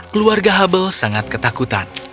keluarga hubble sangat ketakutan